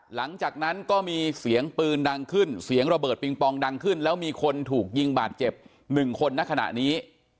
หลังจากนั้นก็มีเสียงปืนดังขึ้นเสียงระเบิดปิงปองดังขึ้นแล้วมีคนถูกยิงบาดเจ็บ๑คนในขณะนี้